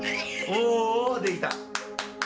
おー、できた。